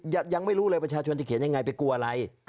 ยังไม่รู้เลยประชาชนจะเขียนยังไงไปกลัวอะไร